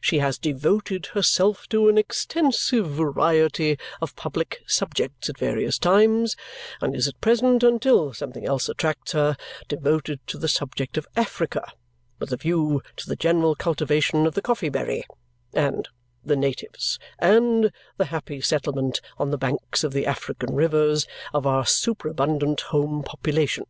She has devoted herself to an extensive variety of public subjects at various times and is at present (until something else attracts her) devoted to the subject of Africa, with a view to the general cultivation of the coffee berry AND the natives and the happy settlement, on the banks of the African rivers, of our superabundant home population.